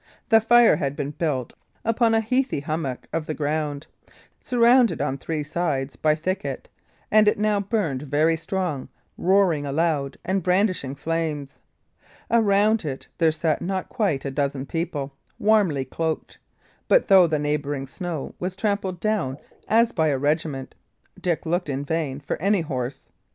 The fire had been built upon a heathy hummock of the ground, surrounded on three sides by thicket, and it now burned very strong, roaring aloud and brandishing flames. Around it there sat not quite a dozen people, warmly cloaked; but though the neighbouring snow was trampled down as by a regiment, Dick looked in vain for any horse.